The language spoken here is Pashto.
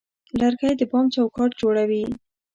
لرګی د بام چوکاټ جوړوي.